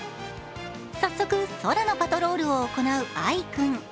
早速、空のパトロールを行う藍君。